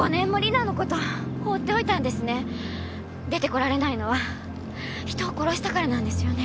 出てこられないのは人を殺したからなんですよね？